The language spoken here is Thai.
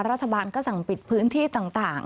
รัฐบาลก็สั่งปิดพื้นที่ต่าง